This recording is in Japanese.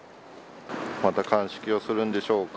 また鑑識をするんでしょうか。